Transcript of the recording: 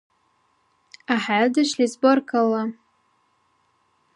ГӀяхӀялдешлис баркалла!